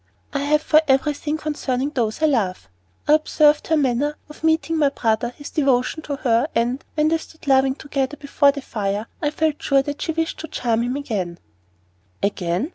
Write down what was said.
"I have for everything concerning those I love. I observed her manner of meeting my brother, his devotion to her, and, when they stood laughing together before the fire, I felt sure that she wished to charm him again." "Again?